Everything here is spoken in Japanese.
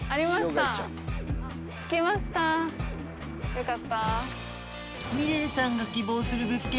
よかった。